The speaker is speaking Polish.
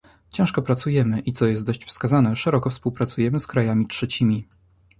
Ciężko pracujemy i, co jest dość wskazane, szeroko współpracujemy z krajami trzecimi